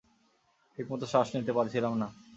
ঠিকমতো শ্বাস নিতে পারছিলাম না।